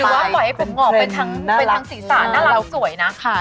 หรือว่าปล่อยให้ผมงอกเป็นทั้งสีสารน่ารักสวยนะ